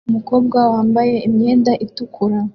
Umukobwa wambaye imyenda itukura